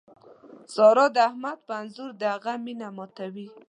سارا د احمد په انځور د هغه مینه ماتوي.